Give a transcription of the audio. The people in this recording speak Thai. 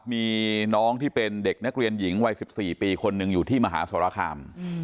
มีน้องที่เป็นเด็กนักเรียนหญิงวัย๑๔ปีคนหนึ่งอยู่ที่มหาสรคาม